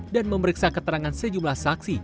dan memeriksa keterangan sejumlah saksi